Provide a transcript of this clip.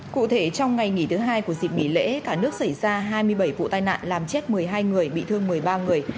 cụ thể trong ngày nghỉ thứ hai của dịp nghỉ lễ cả nước xảy ra hai mươi bảy vụ tai nạn làm chết một mươi hai người bị thương một mươi ba người